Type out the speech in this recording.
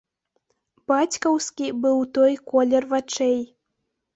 Бацькаўскі быў толькі колер вачэй.